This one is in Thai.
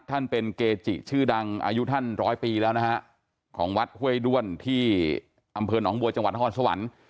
ท่านเป็นเกจิชื่อดังอายุท่านร้อยปีแล้วนะฮะของวัดห้วยด้วนที่อำเภอหนองบัวจังหวัดนครสวรรค์